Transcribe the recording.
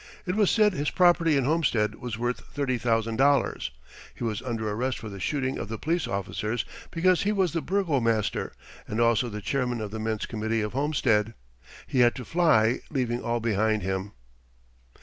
It was said his property in Homestead was worth thirty thousand dollars. He was under arrest for the shooting of the police officers because he was the burgomaster, and also the chairman of the Men's Committee of Homestead. He had to fly, leaving all behind him.